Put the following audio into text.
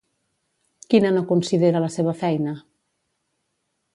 Quina no considera la seva feina?